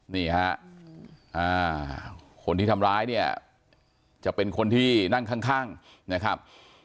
นี่ฮะคนที่ทำร้ายเนี่ยจะเป็นคนที่นั่งข้างนะครับ